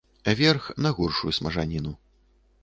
Верх, на горшую смажаніну.